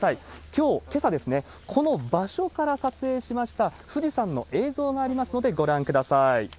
きょう、けさですね、この場所から撮影しました富士山の映像がありますので、ご覧ください。